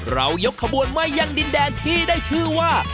ยกขบวนมายังดินแดนที่ได้ชื่อว่า